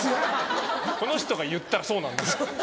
この人が言ったらそうなんです。